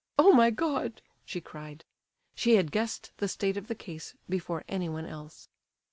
"Oh, my God!" she cried. She had guessed the state of the case before anyone else.